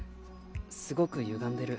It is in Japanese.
すごくゆがんでる。